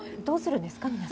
どうするんですか？